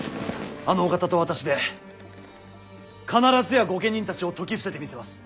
あのお方と私で必ずや御家人たちを説き伏せてみせます。